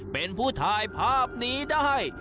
เป็นผู้ถ่ายภาพนี้ได้